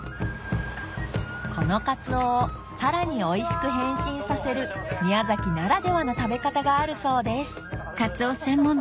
このカツオをさらにおいしく変身させる宮崎ならではの食べ方があるそうです